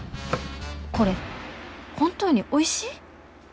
これ本当においしい？